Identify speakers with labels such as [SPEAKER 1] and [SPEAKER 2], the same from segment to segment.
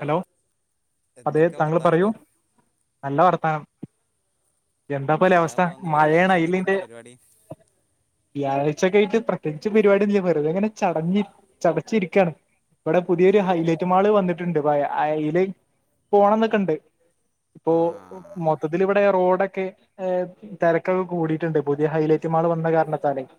[SPEAKER 1] Hello അതെ
[SPEAKER 2] എന്തൊക്കെ
[SPEAKER 1] താങ്കൾ പറയൂ
[SPEAKER 2] വർത്താനടോ
[SPEAKER 1] നല്ല വർത്താനം എന്താപ്പല്ലെ അവസ്ഥ
[SPEAKER 2] എന്താപ്പോ ഒന്ന്
[SPEAKER 1] മഴേണ്
[SPEAKER 2] വ്യാഴ്ചൊക്കെ ആയിട്ട്
[SPEAKER 1] ഐലിന്റെ
[SPEAKER 2] എന്താ പരിപാടി
[SPEAKER 1] വ്യാഴായ്ച്ചെക്കായ്യിട്ട് പ്രത്യേകിച്ച് പരിപാടില്ല വെർതെങ്ങനെ ചടഞ്ഞി ചടച്ചിരിക്കാണ്. ഇവടെ പുതിയൊര് ഹൈലൈറ്റ് മാള് വന്നിട്ട്ണ്ട് പയേ ഐല് പോണം ന്നൊക്കെണ്ട് ഇപ്പോ
[SPEAKER 2] ആഹ്
[SPEAKER 1] മൊത്തത്തില്‌വടെ റോഡൊക്കെ ഹേ തെരക്കൊക്കെ കൂടീട്ട്ണ്ട് പുതിയ ഹൈലൈറ്റ് മാൾ വന്ന കാരണത്താലേയ്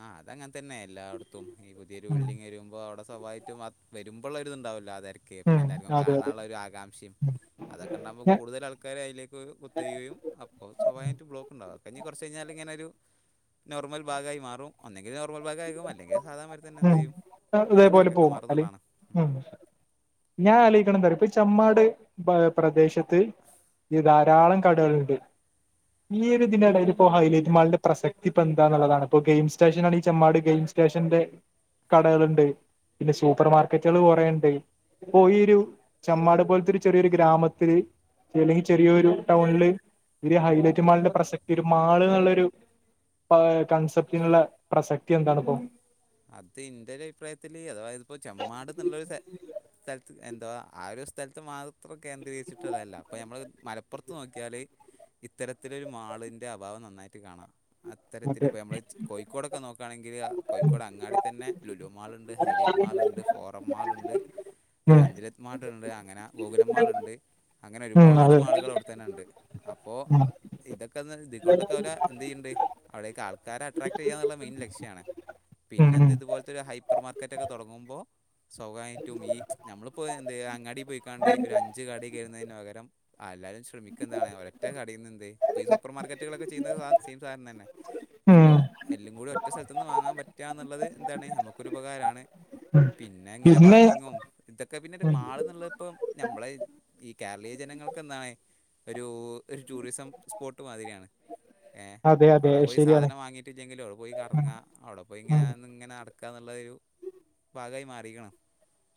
[SPEAKER 2] ആഹ് അതങ്ങനെ തന്നെ എല്ലാട്ത്തും ഈ പുതിയൊര്
[SPEAKER 1] ഉം
[SPEAKER 2] ബിൽഡിങ് വരുമ്പോ അവടെ സ്വാഭാവമായിട്ടും അ വരുമ്പോള്ള ഒര് ഇതുണ്ടാവുമല്ലോ ആ തെരക്ക് പിന്നെ
[SPEAKER 1] ഉം
[SPEAKER 2] എല്ലാർക്കും
[SPEAKER 1] അതെ അതെ
[SPEAKER 2] കാണാന്ള്ളൊര് ആകാംഷയും
[SPEAKER 1] ഉം
[SPEAKER 2] അതൊക്കെ ഒണ്ടാകുമ്പോ
[SPEAKER 1] ഞാൻ
[SPEAKER 2] കൂടുതൽ ആൾക്കാര് ഐലേക്ക് വരും കൊത്തുകയും അപ്പോ സ്വഭാവികമായിട്ട് ബ്ലോക്ക് ണ്ടാവും കൊറച്ച് കൈയിഞ്ഞാല് ഇങ്ങനൊരു നോർമൽ ഭാഗായി മാറും ഇത് നോർമൽ ഭാഗായിരിക്കും. അല്ലെങ്കി സാദാമാരിതന്നെ
[SPEAKER 1] ഉം അ-
[SPEAKER 2] എന്തേയും
[SPEAKER 1] ഇതേപോലെ
[SPEAKER 2] തെരക്കൊക്കെ മാറുന്ന്ള്ളതാണ്.
[SPEAKER 1] ഞാനാലോയിക്ക്ണതെന്താറിയോ ഇപ്പ ചെമ്മാട് പ്രദേശത്ത് എ ധാ ധാരാളം കടകള്ണ്ട് ഈ ഒര് ഇതിലാണ് ഇപ്പോ ഹൈലേറ്റ് മാളിന്റെ പ്രസക്തി ഇപ്പ എന്താന്ന്ള്ളതാണ് ഇപ്പൊ ഗെയിം സ്റ്റേഷനാ ണെങ്കിപ്പൊ ഈ ചെമ്മാട് ഗെയിം സ്റ്റേഷന്റെ കടകള്ണ്ട്. പിന്നെ സൂപ്പർ മാർക്കറ്റുകള് കൊറേണ്ട്. ഇപ്പൊ ഈ ഒരു ചെമ്മാട് പോലത്തെ ഒര് ചെറിയൊരു ഗ്രാമത്തില് അല്ലെങ്കിൽ ചെറിയൊരു ടൗണില് ഒരു ഹൈലൈറ്റ് മാളിന്റെ പ്രസക്തി മാള് ന്ന്ള്ളൊരു ഏ കൺസെപ്റ്റിനുള്ള പ്രസക്തി എന്താണ്പ്പോ?
[SPEAKER 2] അത് ഇന്റോര് അഭിപ്രായത്തില് അതവാഇത്പ്പോ ചെമ്മാട് എന്നുള്ളൊര് സ്ഥല എന്താ ആ ഒര് സ്ഥലത്ത് മാത്രം കേന്ദ്രീകരിച്ചിട്ട്ള്ളതല്ല അപ്പോൾ നമ്മൾ മലപ്പൊറത്ത് പ്പൊറത്ത് നോക്ക്യാല് ഇ ഇത്തരത്തിലൊരു മാളിൻ്റെ അഭാവം നന്നായിട്ട് കാണാ അത്തരത്തില്
[SPEAKER 1] മറ്റേ
[SPEAKER 2] ഇപ്പോൾ നമ്മത് ചി കോഴിക്കോടൊക്കെ നോക്കാണെങ്കില് കോഴിക്കോട് അങ്ങാടിത്തന്നെ ലുലു മാള്ണ്ട്, ഹൈലൈറ്റ് മാള്ണ്ട് ഫോറം മാള്ണ്ട്,
[SPEAKER 1] ഉം
[SPEAKER 2] നന്ദിലത്ത് മാള്ണ്ട്, അങ്ങനെ ഗോകുലം മാള്ണ്ട് അങ്ങനെ
[SPEAKER 1] ഉം
[SPEAKER 2] ഒര്പാട്
[SPEAKER 1] അതെ
[SPEAKER 2] മാളുകൾ അവടെത്തന്നെണ്ട് അപ്പോ
[SPEAKER 1] ഉം
[SPEAKER 2] ഇതൊക്കെ [unintelligible] കൊണ്ടൊക്കെവ്ടെ എന്ത്‌ ചെയ്ണ്ട് അവിടയേക് ആൾക്കാരെ അട്രാക്ട് ചെയ്യാന്ന്ള്ള മെയിൻ ലക്ഷ്യാണ്
[SPEAKER 1] ഉം
[SPEAKER 2] പിന്നെ എന്ത് ഇതുപോലത്തെരു ഹൈപ്പർ മാർക്കറ്റ് ഒക്കെ തുടങ്ങുമ്പോ സ്വകായിട്ടും ഈ ഞമ്മളിപ്പോ എന്ത അങ്ങാടി പോയിക്കാണ്ട് ഒരു അഞ്ച് കടെ കേറൂന്നേന് പകരം ആ എല്ലാരും ശ്രമിക്ക എന്താണ് ഒരറ്റ കടയുന്നെന്ത് ഇപ്പൊ ഈ സൂപ്പർമാർക്കറ്റുകളൊക്കെ ചെയ്യുന്നത് സാ സെയിം സാധനം തന്നെ
[SPEAKER 1] ഉം
[SPEAKER 2] അപ്പോ
[SPEAKER 1] ഉം
[SPEAKER 2] എല്ലും കൂടി ഒറ്റ സ്ഥലത്തുന്ന് വാങ്ങാൻ പ റ്റന്ന്ള്ളത് ന്താണ് നമുക്കൊരുപകാരണ്. പിന്നെ ങ്ങനെ പാർക്കിങ്ങും ഇതൊക്കെ പിന്നെ ഒരു
[SPEAKER 1] ഉം
[SPEAKER 2] മാളുന്ന്ള്ളത് ഇപ്പോ നമ്മള് ഈ കേരളീയ ജനങ്ങൾക്ക് എന്താണ് ഒരൂ ഒരു ടൂറിസം സ്പോട്ട് മാതിരിയാണ് ഏഹ്
[SPEAKER 1] അതെ അതെ
[SPEAKER 2] അവ്ടെ പോയി
[SPEAKER 1] ശരിയാണ്
[SPEAKER 2] സാധനം വാങ്ങിയിട്ടില്ലെങ്കിലും അവിടെ പോയി
[SPEAKER 1] ഉം
[SPEAKER 2] കറങ്ങ അവിടെ പോയി ഇങ്ങനെ
[SPEAKER 1] ഉം
[SPEAKER 2] ഇങ്ങനെ നടക്കാ എന്നുള്ളരു ഭാഗായി മാറിരിക്ണ്.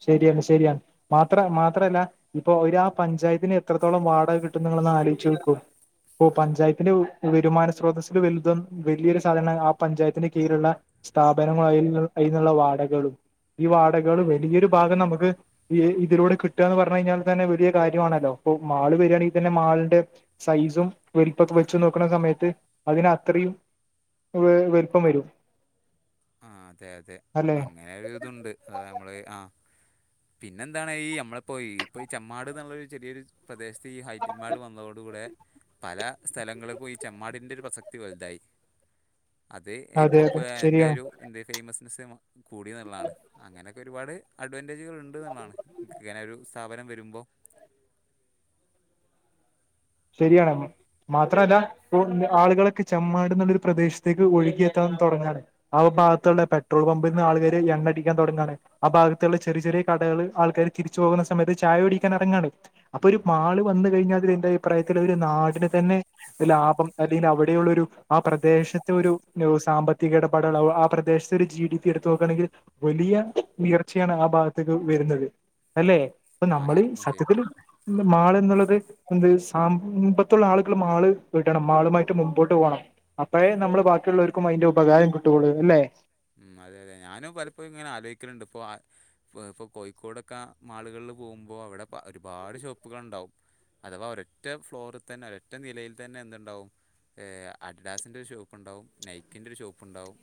[SPEAKER 1] ശരിയാണ് ശരിയാണ് മാത്ര മാത്രല്ല ഇപ്പൊ ഒര് ആ പഞ്ചായത്തിന് എത്രത്തോളം വാടക കിട്ടുംന്ന് നിങ്ങളോന്ന് ആലോയിച്ചുക്കു. ഇപ്പോ പഞ്ചായത്തിന്റെ വരുമാന സ്രോതസ്സിൽ വലുതും വലിയൊരു സാധനമാണ് ആ പഞ്ചായത്തിന്റെ കീഴിലുള്ള സ്ഥാപനങ്ങളും അതിൽന്നുള്ള അതിനുള്ള വാടകളും ഈ വാടകളും വലിയൊരു ഭാഗം നമുക്ക് ഇ ഇതിലൂടെ കിട്ടുകാന്ന് പറഞ്ഞു കഴിഞ്ഞാൽ തന്നെ വലിയ കാര്യമാണല്ലോ അപ്പൊ മാൾ വരികയാണെങ്കിൽ തന്നെ മാളിന്റെ സൈസും വലിപ്പൊക്കെ വെച്ചു നോക്കണ സമയത്ത് അതിന് അത്രയും വലുപ്പം വരും
[SPEAKER 2] ആഹ് അതെ അതെ
[SPEAKER 1] അല്ലെ
[SPEAKER 2] അങ്ങനെ ഒരു ഇതുണ്ട് അത് നമ്മള് ആ പിന്നെ ന്താണ് ഈ നമ്മളിപ്പോയി ഇപ്പൊ ഈ ചെമ്മാട് എന്നുള്ളരു ചെറിയൊരു പ്രദേശത്ത് ഈ ഹൈറ്റൽമ്മാട് വന്നതോട് കൂടെ പല സ്ഥലങ്ങൾക്കും ഈ ചെമ്മാടിന്റെ ഒരു പ്രസക്തി വലുതായി അത് ഈ
[SPEAKER 1] അതെ
[SPEAKER 2] പ്രപ്പ
[SPEAKER 1] അതെ
[SPEAKER 2] എന്റെ
[SPEAKER 1] ശരിയാണ്
[SPEAKER 2] ഒരു എന്തേ ഫേമസ്നെസ്സ് കൂടിന്നുള്ളണ് അങ്ങനെയൊക്കെ ഒരുപാട് അഡവ [inaudible] ഉണ്ട് എന്നുള്ളതാണ് ഇങ്ങനെ ഒരു സ്ഥാപനം വരുമ്പോ
[SPEAKER 1] ശരിയാണ്. മാത്രല്ല ഇപ്പോ ആളുകളൊക്കെ ചെമ്മാട് എന്നുള്ളൊരു പ്രദേശത്തേക്ക് ഒഴുകിയെത്താൻ തുടങ്ങാണ് ആ ഒരു ഭാഗത്തുള്ള പെട്രോൾ പമ്പിൽ നിന്ന് ആൾകവരാ എണ്ണടിക്കാൻ തുടങ്ങാണ്. ആ ഭാഗത്തുള്ള ചെറിയ ചെറിയ കടകള് ആൾക്കാര് തിരിച്ചു പോകുന്ന സമയത്ത് ചായ കുടിക്കാൻ ഇറങ്ങാണ് അപ്പൊ ഒരു മാള് വന്ന് കഴിഞ്ഞാ അത് എന്റെ അഭിപ്രായത്തില് ഒരു നാടിന് തന്നെ ലാഭം അല്ലെങ്കിൽ അവിടെയുള്ള ഒരു ആ പ്രദേശത്തെ ഒരു സാമ്പത്തിക ഇടപാടുള്ള ആ പ്രദേശത്ത് ഒരു ജി ഡി പി എടുത്ത് നോക്കാണെങ്കിൽ വലിയ ഉയർച്ചയാണ് ആ ഭാഗത്തേക്ക് വരുന്നത് അല്ലെ? അപ്പൊ
[SPEAKER 2] ആ
[SPEAKER 1] നമ്മള്
[SPEAKER 2] ശരിക്കും
[SPEAKER 1] സത്യത്തില്
[SPEAKER 2] ശരിക്കും
[SPEAKER 1] മാള് എന്നുള്ളത് എന്ത് ആ മുമ്പത്തുള്ള ആളുകൾ മാള് വിടണം മാളുമായിട്ട് മുമ്പോട്ട് പോണം അപ്പഴേ നമ്മള് ബാക്കിയുള്ളവർക്കും അയിന്റെ ഉപകാരം കിട്ടൊള്ളൂ അല്ലെ?
[SPEAKER 2] ഉം അതെ അതെ ഞാനും പലപ്പോഴും ഇങ്ങനെ ആലോചിക്കലണ്ട് ഇപ്പോ ഇപ്പോ പ്പോ കോഴിക്കോടൊക്കെ മാളുകളിൽ പോകുമ്പോ അവിടെ ഒരുപാട് ഷോപ്പുകളുണ്ടാവും അഥവാ ഒരൊറ്റ ഫ്ലോറിൽ തന്നെ ഒരൊറ്റ നിലയിൽ തന്നെ എന്തുണ്ടാവും ഏഹ് അടിടാസ്ന്റെ ഒരു ഷോപ്പുണ്ടാവും നൈക്കിൻ്റെ ഒരു ഷോപ്പുണ്ടാവും.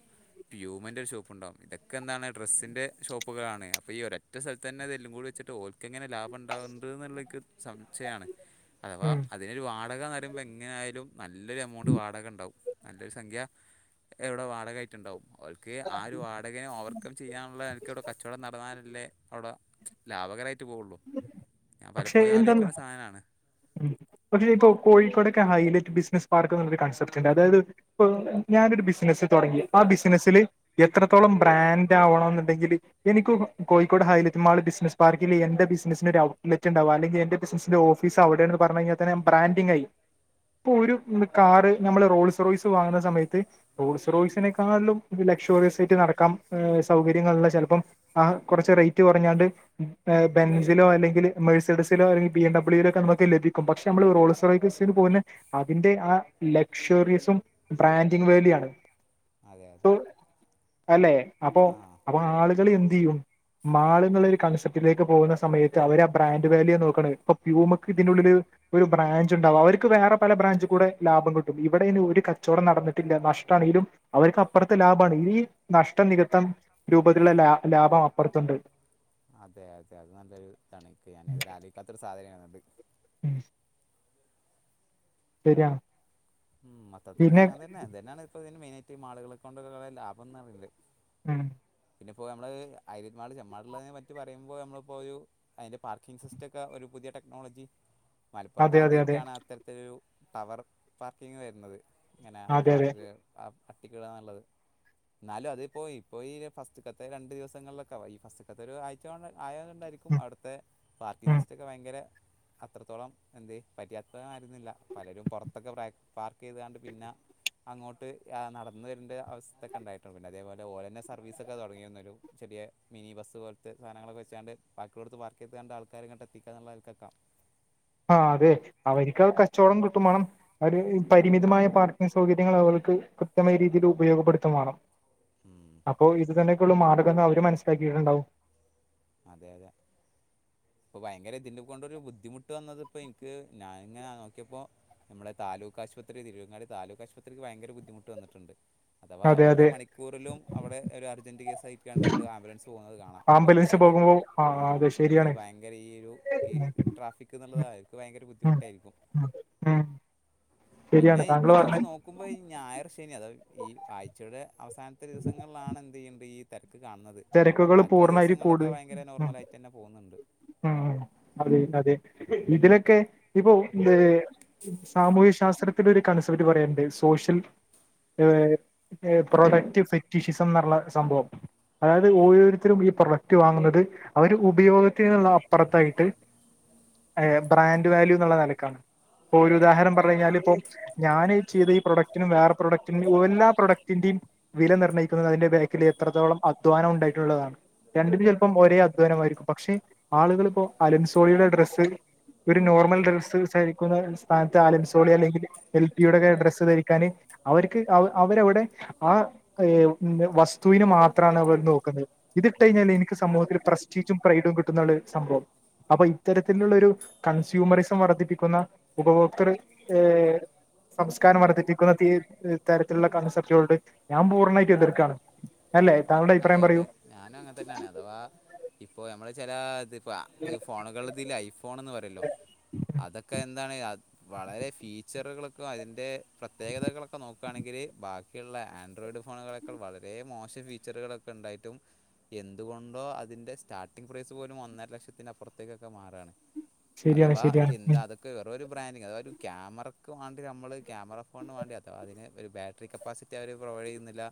[SPEAKER 2] പ്യൂമെൻ്റെ ഒരു ഷോപ്പുണ്ടാവും ഇതൊക്കെന്താണ് ഡ്രസ്സിൻന്റെ ഷോപ്പുകളാണ് അപ്പോ ഈ ഒരൊറ്റ സ്ഥലത്ത് തന്നെ ഇതെല്ലും കൂടി വച്ചിട്ട് ഓ ക്ക് എങ്ങനെ ലാഭം ഉണ്ടാ [unintelligible] സംചയാണ്
[SPEAKER 1] [inaudible]
[SPEAKER 2] അഥവാ
[SPEAKER 1] ഉം
[SPEAKER 2] അതിനൊരു വാടകന്നറിയുമ്പോ എങ്ങനൊയാലും നല്ലൊരു എമൗണ്ട് വാടക ണ്ടാവും നല്ലൊരു സംഖ്യ എവിടെ വാടകമായിട്ട് ണ്ടാവും ഓൾക്ക് ആ ഒരു വാടകേ ഓവർക്കം ചെയ്യാനുള്ള എനക്ക് ഇവിടെ കച്ചവടം നടന്നാലല്ലേ അവിടെ ലാഭകരായിട്ട് പോവുള്ളൂ. ഞാൻ പലപ്പോഴും ആലോചിക്ണ സാനാണ്.
[SPEAKER 1] ഉം പക്ഷെ ഈ കോഴിക്കോടൊക്കെ ഹൈലൈറ്റ് ബിസിനസ് പാർക്ക് എന്നുള്ളൊരു കൺസെപ്റ്റ്ണ്ട് അതായത്. ഇപ്പ ഞാനൊരു ബിസിനസ്സ് തുടങ്ങി ആ ബിസിനസ്സില് എത്രത്തോളം ബ്രാൻഡ് ആവണം എന്നുണ്ടെങ്കില് എനിക്ക് കോഴിക്കോട് ഹൈലറ്റ് മാള് ബിസിനസ് പാർക്കിൽ എന്റെ ബിസി സിന് ഒരു ഔട്ട്ലറ്റ് ഉണ്ടാവും അല്ലെങ്കി എന്റെ ബിസിനസിന്റെ ഓഫിസ് അവിടെയന്ന് പറഞ്ഞ് കഴിഞ്ഞാൽ തന്നെ ബ്രാഡിങ് ആയി. ഇപ്പൊ ഒരു കാറ് നമ്മൾ റോൾസ് റോയ്സ് വാങ്ങുന്ന സമയത്ത് റോസ് റോയ്സിനെക്കാൾലോം ലക്ഷോറിയസ് ആയിട്ട് നടക്കാം സൗകര്യങ്ങളുള്ള ചെലപ്പം ആ കുറച്ച് റേറ്റ് കൊറഞ്ഞാല് ആ ബെൻ അല്ലെങ്കില് മേഴ്സിഡിസിലോ അല്ലെങ്കി ബി എം ഡബ്ളീലൊക്കെ നമക്ക് ലഭിക്കും. പക്ഷേ നമ്മള് റോൾസ് റോയ്സ് പോകില് അതിന്റെ ആ ലക്ഷ്വറീസും ബ്രാൻഡിങ് വേല്ല്യൂവാണ്.
[SPEAKER 2] അതെ അതെ
[SPEAKER 1] അല്ലെ അപ്പൊ
[SPEAKER 2] ആ
[SPEAKER 1] അപ്പൊ ആളികളാ എന്തെയ്യും. മാളിന്നിള്ളൊര് കൺസെപ്റ്റിലേക്ക് പോകുന്ന സ് സമയത്ത് അവര് ആ ബ്രാൻഡ് വല്യൂവാ നോക്കിണ് ഇപ്പൊ പ്യൂമക്ക് ഇതിനുള്ളില് ഒരു ബ്രാഞ്ചിണ്ടാവും. അവര്ക്ക് വേറെ പല ബ്രാഞ്ച് കൂടെ ലാഭം കിട്ടും ഇവെടേന് ഒരു കച്ചോടം നടന്നിട്ടില്ല. നഷ്ടണെങ്കിലും അവർക്ക് അപ്പുറത്തെ ലാഭാണ് ഈ നഷ്ടം നികത്തം രൂപത്തിള്ള ലാ ലാഭം അപ്പർത്തുണ്ട്
[SPEAKER 2] അതെ അതെ അത് നല്ലൊരു ഇതാണ്ക്ക്. ഞാനിതൊരെ ആലൊയ്ക്കാത്തരു സാധനേണത്
[SPEAKER 1] മ്മ് ശരിയ
[SPEAKER 2] മൊത്തത്തില് അങ്ങനെന്നെ ന്തിനാണ് ഇപ്പോ ഇതിന് മെയിനായിട്ട് മാള്കളക്കൊണ്ട് ലാഭം എന്ന് പറയുന്നത്
[SPEAKER 1] ഉം
[SPEAKER 2] പിന്നെപ്പോ നമ്മള് ഹൈലൈറ്റ് ചെ്മാട്ട്ള്ളെ പറ്റി പറയ്മ്പോ നമ്മളിപ്പോ ഒരു അയ്ന്റെ പാർക്കിംഗ് സിസ്റ്റക്കെ ഒരു പുതിയ ടെക്നോളജി
[SPEAKER 1] അതെ അതെ അതെ
[SPEAKER 2] മൽപ്പൊർത്താദ്യായാട്ടാണ് അത്തരത്തിലൊരു ടവർ പാർക്കിങ് വരുന്നത്. ഇങ്ങനെ
[SPEAKER 1] അതെ അതെ
[SPEAKER 2] [unintelligible] അട്ടിക്കിടാന്നിള്ളത്. എന്നാലും അതിപ്പോയി ഇപ്പോ ഫസ്റ്റികത്തെ രണ്ട് ദിവസങ്ങൾലൊക്കെ ഈ ഫസ് അതൊരു ആയ്ചൊ ആയാ തായിരിക്കും
[SPEAKER 1] ഉം
[SPEAKER 2] ആട്ത്തെ
[SPEAKER 1] ഉം
[SPEAKER 2] പാർട്ടീസിസ്റ്റൊക്കെ ഭയ്ങ്കര അത്രത്തോളം എന്തേ പര്യാപ്തതായിരുന്നില്ല. പലരും പൊറത്തൊക്കൊ പ്രാ പാർക്കെതാണ്ട് പിന്ന അങ്ങോട്ട് നടന്ന വരണ്ട അവസ്ഥ്യൊക്കെ ഇണ്ടായിട്ടുണ്ട് പിന്നെ അതേപോലെ ഓലേൻ്റെ സർവീസക്കെ തൊടങ്ങീന്നൊരു ചെറിയെ മിനി ബസ് പോൽത്തെ സാനങ്ങളൊക്കെ വെച്ചാണ്ട് ബാക്കിള്ളോട്ത്ത് പാർക്കെയ്താണ്ട് ആൾക്കാരെങ്ങട്ടെത്തിക്കന്നിള്ളെ ആൾക്കൊക്കാം
[SPEAKER 1] ആഹ് അതെ അവരിക്ക് കച്ചോടം കിട്ടുവേണം അവര് പരിമിതമായ പാർക്കിങ് സൗകര്യ കാര്യങ്ങൾ ഓൾക്ക് കൃത്യമായ രീതീല് ഉപയോഗപ്പെടുതേം വേണം.
[SPEAKER 2] ഉം
[SPEAKER 1] അപ്പോ ഇതുന്നെ ഓള് മറുവെന്നാ അവര് മനസിലാക്കീട്ടിണ്ടാവും.
[SPEAKER 2] അതെ അതെ ഇപ്പൊ ഭയ്ങ്കര ഇതിനെകൊണ്ട് ഒരു ബുദ്ധിമുട്ട് വന്നതിപ്പൊ ഇൻക്ക് ഞാൻ ഇങ്ങനെ നോക്ക്യേപ്പോ നമ്മുടെ താലൂക്ക് ആശുപത്രി തിരൂങ്ങാടി താലൂക്ക് ആശുപത്രിക്ക് ഭയങ്കര ബുദ്ധിമുട്ട് വന്നിട്ടുണ്ട്. അഥവാ
[SPEAKER 1] അതെ
[SPEAKER 2] ഓരോ
[SPEAKER 1] അതെ
[SPEAKER 2] മണിക്കൂറിലും അവിടെ ഒരു അർജന്റ് കേസ്സയിക്കാണ്ട് അമ്മൾ ആംബുലൻസ് പോണത് കാണാ.
[SPEAKER 1] ആംബുലൻസ്
[SPEAKER 2] ബൈക്
[SPEAKER 1] പോകുമ്പോ
[SPEAKER 2] ആ
[SPEAKER 1] അതെ
[SPEAKER 2] അത്
[SPEAKER 1] ശരിയാണ്
[SPEAKER 2] ഭയ്ങ്കര ഈ ഒരു ഈ
[SPEAKER 1] ഉം
[SPEAKER 2] ട്രാഫിക്ക്
[SPEAKER 1] ഉം
[SPEAKER 2] ഇന്നിള്ളതായിക് ഭയ്ങ്കര
[SPEAKER 1] ഉം
[SPEAKER 2] ബുദ്ധിമുട്ടായിരിക്കും.
[SPEAKER 1] ഉം ശരിയാണ് താങ്കൾ പർണേ
[SPEAKER 2] നോക്കുമ്പ ഈ ഞായർ ശനി അതത് ഈ ആഴ്ചയുടെ അവസാൻത്തെ ദിവസങ്ങൾലാണ് എന്തെയ്യേണ്ടേ ഈ തെരക്ക് കാണിന്നത്
[SPEAKER 1] തിരക്കുകൾ
[SPEAKER 2] ബാക്കിള്ള
[SPEAKER 1] പൂർണ്ണായിട്ട്
[SPEAKER 2] ദിവസങ്ങൾലൊക്കെ
[SPEAKER 1] കൂടും
[SPEAKER 2] ഭയ്ങ്ക്ര
[SPEAKER 1] ഉം
[SPEAKER 2] നോർമലായിട്ടെന്നെ പോന്നണ്ട്
[SPEAKER 1] ഉം അതെ അതെ ഇതിനൊക്കെ ഇപ്പൊ ഇ സാമൂഹ്യ ശാസ്ത്രത്തിൽ ഒരു കൺസെപ്റ്റ് പറയണ്ട് സോഷ്യൽ ഏ പ്രൊഡക്റ്റ് ഫെറ്റിഷിസം എന്നള്ള സംഭവം. അതായത് ഓരോരുത്തരും ഈ പ്രൊഡക്റ്റ് വാങ്ങുന്നത് അവര് ഉപയോഗിച്ച ഇന്നുള്ളേന് അപ്പുത്തായിട്ട് ഏ ബ്രാൻഡ് വാല്യൂന്നിള്ള നെലക്കാണ്. ഇപ്പൊരു ഉദാഹരണം പറഞ്ഞു കഴിഞ്ഞാലിപ്പോ ഞാന് ചെയ്ത ഈ പ്രൊഡക്റ്റിനും വേറെ പ്രൊഡക്റ്റിൻ്റിം എല്ലാ പ്രൊഡക്ടിന്റിം വില നിർണ്ണയിക്കുന്നത് അതിന്റെ ബാക്കിൽ എത്രത്തോളം അധ്വാനം ഉണ്ടായിട്ടുള്ളതാണ്. രണ്ടിനും ചെലപ്പം ഒരേ അധ്വാനമായിരിക്കും പക്ഷെ ആളുകളിപ്പം അലൻസോളിയുടെ ഡ്രസ്സ് ഒരു നോർമൽ ഡ്രസ്സ് ധരിക്കുന്ന സ്ഥാനത്ത് ആലൻസോള്ളി അല്ലെങ്കിൽ എൽ പിയുടെക്കെ ഡ്രസ്സ് ധരിക്കാന്. അവര്ക്ക് അവരവിടെ ആ ഏ വസ്തുവിന് മാത് ത്രാണ് അവര് നോക്കുന്നില്ല. ഇത് ഇട്ടയ്ഞ്ഞാല് ഇൻക്ക് സമൂഹത്തിൽ പ്രസ്റ്റീജും പ്രൈഡും കിട്ടുന്നിള്ളൊര് സംഭവം. അപ്പൊ ഇത്തരത്തിലുള്ളൊരു കൺസ്യൂമറിസം വർദ്ധിപ്പിക്കുന്ന ഉപഭോക്തർ ഏ സംസ്കാരം വഴിതെറ്റിക്കുന്ന തീ തരത്തിലിള്ള കൺസെപ്റ്റളോട് ഞാൻ പൂർണ്ണായ്ട്ടും എതിർക്കാണ്. അല്ലെ?
[SPEAKER 2] അതെ അതെ ഞാനും അങ്ങനെ തന്നെയാണ് അഥവാ ഇപ്പോ ഞമ്മള് ചില ഇത് പ്പ ഫോണുകളിലിത് ഐഫോൺ എന്ന് പറയല്ലോ? അതൊക്കെ എന്താണ് വളരെ ഫീച്ചറുകൾക്കും അതിന്റെ പ്രത്യേകതകളൊക്കെ നോക്ക നോക്കു ആണെങ്കില് ബാക്കിയുള്ള ആൻഡ്രോയിഡ് ഫോണുകളെക്കാൾ വളരെ മോശം ഫീച്ചറുകളൊക്കെ ഉണ്ടായിട്ടും എന്തുകൊണ്ടോ അതിൻ്റെ സ്റ്റാർട്ടിങ് പ്രൈസ് പോലും ഒന്നര ലക്ഷത്തിന് അപ്പുറത്തേകൊക്കെമാറാണ്.
[SPEAKER 1] ശരിയാണ്
[SPEAKER 2] അഥവാ
[SPEAKER 1] ശരിയാണ്
[SPEAKER 2] എന്താ
[SPEAKER 1] ഉം
[SPEAKER 2] അതൊ വെറുമൊരുബ്രാൻഡിങ് അതായത് ഒരു ക്യാമറക്ക് മാണ്ടി നമ്മള് ക്യാമറ ഫോണന് മാണ്ടിയാ അതിന് ഒരു ബാറ്റ കപ്പാസിറ്റി അരും പ്രൊവൈഡ് ചെയ്യുന്നില്ല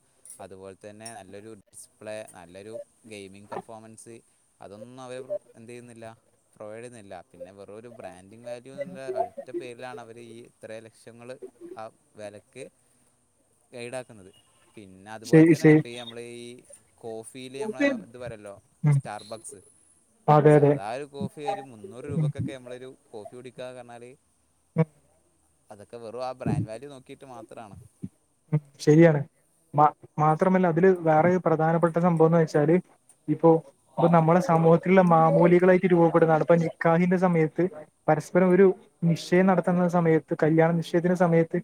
[SPEAKER 2] അതുപോലെ തന്നെ നല്ലൊരു ഡിസ്പ്ലേ നല്ലൊരു ഗെയിമിംഗ് പെർഫോമൻസ് അതൊന്നും അവെയേ ബ്രോ എന്തു ചെയ്യുന്നില്ല പ്രൊവയിഡ്ചെയ്യുന്നില്ല. പിന്നെ വെറു ഒരു ബ്രാൻഡിങ് വാല്യൂ എന്ന ഒറ്റ പേരിലാണ് അവർ ഈ ഇത്രയും ലക്ഷങ്ങൾ ആ വെലക്ക് ഗൈഡ് ആക്കുന്നത് പിന്നെ അതുപോലെ
[SPEAKER 1] ശരി
[SPEAKER 2] തന്നെ
[SPEAKER 1] ശരി
[SPEAKER 2] ഇപ്പ ഈ നമ്മള്ഈ കോഫ് ഫീല് ഞമ്മള ഇതു പറയല്ലോ
[SPEAKER 1] ഉം
[SPEAKER 2] സ്റ്റാർ ബ്ലക്സ്
[SPEAKER 1] അതെ അതെ
[SPEAKER 2] സാധാ ഒരു കോഫി ഒരു മുന്നൂറ്
[SPEAKER 1] ഉം
[SPEAKER 2] രൂപക്കൊക്കെ നമ്മളൊരു കോഫി കുടിക്കന്ന് പറഞ്ഞാല്
[SPEAKER 1] ഉം
[SPEAKER 2] അതൊക്കെ വെറും ആ ബ്രാൻഡ് വല്യു നോക്കിട്ട് മാത്രമാണ്.
[SPEAKER 1] ഉം. ശരിയാണ് മാ മാത്രമല്ല അതില് വേറെ പ്രധാനപ്പെട്ട സംഭവം ന്ന് വെച്ചാല് ഇപ്പൊ ഇപ്പൊ നമ്മടെ സമൂഹത്തിലുള്ള മാമൂലികളായിട്ട് രൂപപ്പെടുന്നതാണ് ഇപ്പൊ നിക്കാഹിന്റെ സമയത്ത് പരസ്പരം ഒരു നിശ്ചയം നടത്തുന്ന സമയത്ത് കല്യാണ നിശ്ചയത്തിന്റെ സമയത്ത്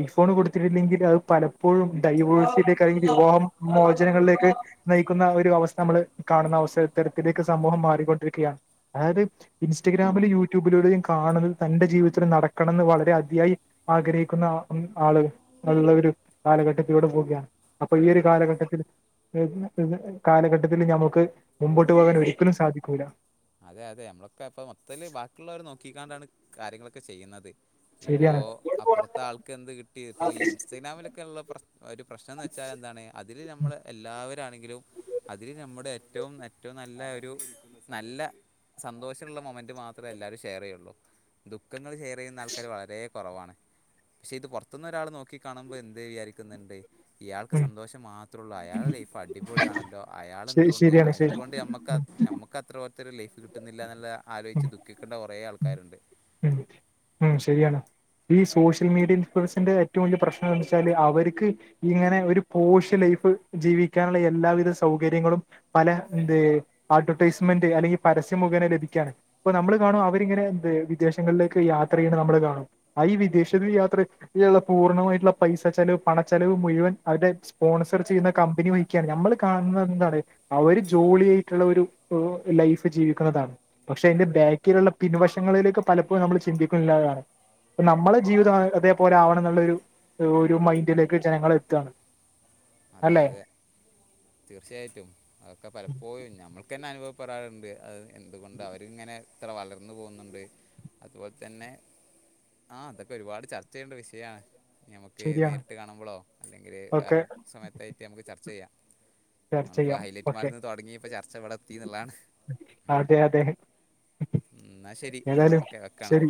[SPEAKER 1] ഐഫോൺ കൊടുത്തിട്ടില്ലെങ്കില് അത് പലപ്പോഴും ഡൈവേഴ്സിയിലേക്ക് അല്ലെങ്കിൽ വിവാഹം മോചനങ്ങളിലേക്ക് നയിക്കുന്ന ഒരു അവസ്ഥ നമ്മള് കാണുന്ന അവസ്ഥ ഇത്തരത്തിലേക്ക് സമൂഹം മാറിക്കൊണ്ടിരിക്കുകയാണ്. അതായത് ഇൻസ്റ്റഗ്രാമിലും യൂട്യൂബിലൂടെയും കാണുന്നത് തന്റെ ജീവിതത്തിൽ നടക്കണംന്ന് വളരെ അതിയായി ആഗ്രഹിക്കുന്ന ആള് ഉള്ളൊരു കാലഘട്ടത്തിലൂടെ പോവുകയാണ്. അപ്പൊ ഈ ഒരു
[SPEAKER 2] അത്
[SPEAKER 1] കാലഘട്ടത്തിൽ [unintelligible] കാലഘട്ടത്തിൽ ഞമ്മക്ക് മുമ്പോട്ട് പോകാൻ ഒരിക്കലും സാധിക്കൂല്ല.
[SPEAKER 2] അതെ അതെ നമ്മളൊക്കെ ഇപ്പ മൊത്തത്തില് ബാക്കിയുള്ളവരെ നോക്കാണ്ടാണ് കാര്യങ്ങളൊക്കെ ചെയ്യുന്നത്. ഇപ്പോ
[SPEAKER 1] ശരിയാണ്
[SPEAKER 2] അപ്പുറത്തെ ആൾക്ക് എന്ത് കിട്ടി ഇപ്പോ ഇൻസ്റ്റഗ്രാമിലെ ലൊക്കെ ഉള്ള പ്രശ് ഒരു പ്രശ്നം എന്ന് വെച്ചാൽ എന്താണ് അതില് നമ്മൾ എല്ലാവരാണെങ്കിലും അതിൽ നമ്മുടെ ഏറ്റവും ഏറ്റവും നല്ല ഒരു നല്ല സന്തോഷമുള്ള മൊമന്റ് മാത്രമേ എല്ലാവരും ഷെയർ ചെയ്യുള്ളൂ ദുഃഖങ്ങൾ ഷെയർ ചെയ്യുന്ന ആൾക്കാര് വളരെ കുറവാണ് പക്ഷെ ഇത് പുറത്തുന്ന് ഒരാൾ നോക്കി കാണുമ്പോൾ എന്ത് വിചാരിക്കുന്നുണ്ട് ഇയാൾക്ക്
[SPEAKER 1] ഉം
[SPEAKER 2] സന്തോഷം മാത്രമേ ഉള്ളൂ അയാളുടെ ലൈഫ് അടിപൊളിയാണല്ലോ അയാൾ
[SPEAKER 1] ശരി
[SPEAKER 2] എന്തുകൊണ്ട്
[SPEAKER 1] ശരിയാണ് ശരി
[SPEAKER 2] എന്തുകൊണ്ട് നമുക്ക്
[SPEAKER 1] ഉം
[SPEAKER 2] നമുക്ക് അത്ര പോലത്തെഒരു ലൈഫ് കിട്ടുന്നില്ല എന്നുള്ള
[SPEAKER 1] ഉം
[SPEAKER 2] ആലോചിച്ച് ദുഃഖിക്കേണ്ട കുറേ
[SPEAKER 1] ഉം
[SPEAKER 2] ആൾക്കാരുണ്ട്.
[SPEAKER 1] ഉം ഉം ശരിയാണ് ഈ സോഷ്യൽ മീഡിയിൽ ഇൻഫുളുവൻസിന്റെ ഏറ്റവും വലിയ പ്രശ്നം എന്ത് വെച്ചാല് അവർക്ക് ഇങ്ങനെ ഒരു പോഷ് ലൈഫ് ജീവിക്കാനുള്ള എല്ലാവിധ സൗകര്യങ്ങളും പല എന്ത് അഡ്വെർടൈസ്മെന്റ് അല്ലെങ്കി പരസ്യമുഖേനെ ലഭിക്കാണ്. അപ്പൊ നമ്മള് കാണും അവരിങ്ങനെ എന്ത് വിദേശങ്ങളിലേക്ക് യാത്ര ചെയ്യണത് നമ്മള് കാണും. ആ ഈ വിദേശത്ത് യാത്ര പൂർണ്ണമായിട്ടുള്ള പൈസ ചെലവ് പണ ചെലവ് മുഴുവൻ അവരുടെ സ്പോൺസർ ചെയ്യുന്ന കമ്പനി വഹിക്കാണ് നമ്മള് കാണുന്നത് എന്താണ് അവര് ജോളി ആയിട്ടുള്ള ഒരു ലൈഫ് ജീവിക്കുന്നതാണ്. പക്ഷെ അതിന്റെ ബാക്കിലുള്ള പിൻവശങ്ങളിലേക്ക്പലപ്പോഴും നമ്മൾ ചിന്തിക്കുന്നില്ലാന്നാണ്. പ്പ നമ്മളെ ജീവിതം അതേപോലെ ആവണം എന്നുള്ള ഒരു ഒരു മൈൻഡിലേക്ക് ജനങ്ങൾ എത്തുകയാണ്.
[SPEAKER 2] അതെ അതെ തീർച്ചയായിട്ടും അതൊക്കെ പലപ്പോഴും ഞമ്മൾക്ക് തന്നെ അനുഭവപ്പെടാറുണ്ട് അത് എന്തുകൊണ്ട് അവരിങ്ങനെ ഇത്ര വളർന്നു പോകുന്നുണ്ട് അതുപോലെ തന്നെ ആ അതൊക്കെ ഒരുപാട് ചർച്ച ചെയ്യേണ്ട വിഷയാണ്. ഞമ്മക്ക്
[SPEAKER 1] ശരിയാണ്
[SPEAKER 2] നേരിട്ട് കാണുമ്പോളോ അല്ലെങ്കില്
[SPEAKER 1] ഓക്കെ
[SPEAKER 2] വേറെ സമയത്തായിട്ട് നമുക്ക് ചർച്ച ചെയ്യാം
[SPEAKER 1] ചർച്ച
[SPEAKER 2] നമ്മളിപ്പോ
[SPEAKER 1] ചെയ്യാം
[SPEAKER 2] ഹൈലൈറ്റ്
[SPEAKER 1] ഓക്കെ
[SPEAKER 2] മാളിന്ന് തൊടങ്ങി ഇപ്പോ ചർച്ച ഇവിടെത്തീന്നുള്ളതാണ്
[SPEAKER 1] അതെ അതെ
[SPEAKER 2] എന്നാ ശരി
[SPEAKER 1] ഏതായാലും
[SPEAKER 2] ഓക്കെ വെക്കാണ്
[SPEAKER 1] ശരി